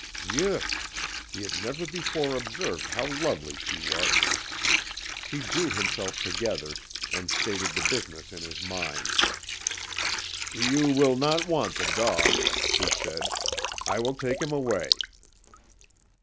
DIEU! he had never before observed how lovely she was! He drew himself together, and stated the business in his mind. "You will not want the dog," he said. "I will take him away."